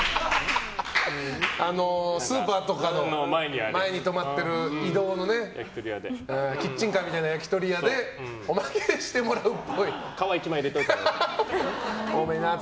スーパーとかの前に止まってる移動のキッチンカーみたいな焼き鳥屋で皮１枚入れといたよって。